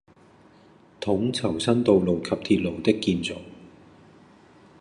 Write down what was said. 統籌新道路及鐵路的建造